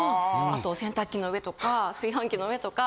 あと洗濯機の上とか炊飯器の上とか。